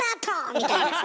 みたいなさ。